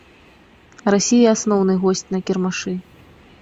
Расія асноўны госць на кірмашы.